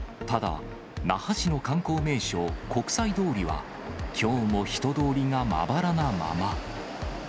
ただ、那覇市の観光名所、国際通りはきょうも人通りがまばらなまま。